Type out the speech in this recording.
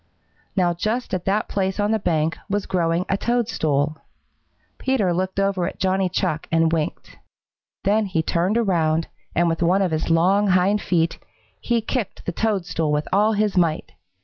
Now just at that place on the bank was growing a toadstool. Peter looked over at Johnny Chuck and winked. Then he turned around, and with one of his long hind feet, he kicked the toadstool with all his might.